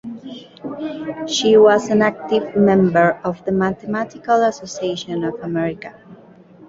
She was an active member of the Mathematical Association of America.